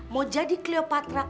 mau jadi cleopatra